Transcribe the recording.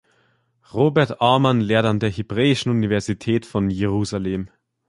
Robert Aumann lehrt an der Hebräischen Universität von Jerusalem.